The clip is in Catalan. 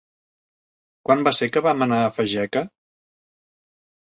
Quan va ser que vam anar a Fageca?